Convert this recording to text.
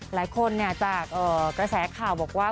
หลายคนจากกระแสข่าวบอกว่า